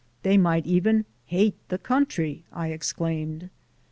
"They might even HATE the country," I exclaimed.